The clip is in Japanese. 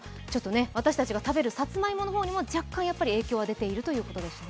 私たちが食べるさつまいもの方にも若干、影響が出ているということです。